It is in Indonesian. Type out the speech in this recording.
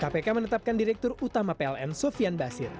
kpk menetapkan direktur utama pln sofian basir